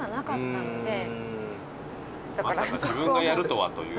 まさか自分がやるとはという。